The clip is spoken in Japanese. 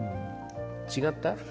違った？